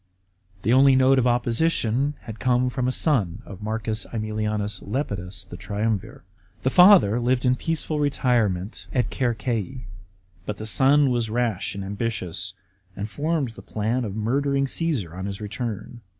The only note of opposition had come from a son of M. ^Bmilins Lepidus, the triumvir. The father lived in peaceful retirement at Circeii, but the son was rash and ambitious, and formed the plan of murdering Caasar on his return.